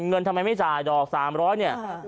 ทำไมไม่จ่ายดอก๓๐๐เนี่ย